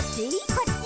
「こっち？」